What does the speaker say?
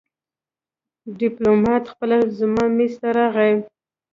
ډيپلومات خپله زما مېز ته راغی.